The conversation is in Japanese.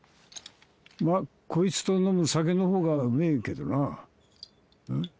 まぁこいつと飲む酒のほうがうめぇけどな。